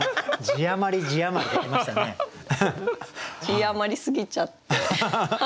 字余りすぎちゃって。